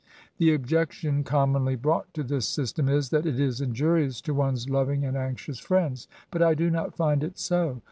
The objection commonly brought to this system is, that it is injurious to one's loving and anxious friends. But I do not find it so.